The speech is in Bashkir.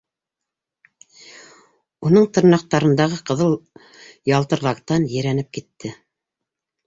Уның тырнаҡтарындағы ҡыҙыл ялтыр лактан ерәнеп китте.